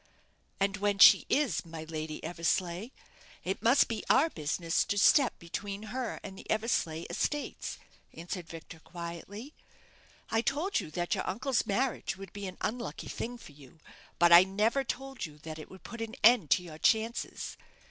"And when she is my Lady Eversleigh, it must be our business to step between her and the Eversleigh estates," answered Victor, quietly. "I told you that your uncle's marriage would be an unlucky thing for you; but I never told you that it would put an end to your chances.